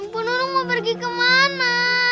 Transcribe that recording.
poh nunung mau pergi kemana